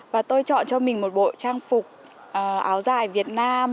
và tôi chọn cho mình một bộ trang phục áo dài việt nam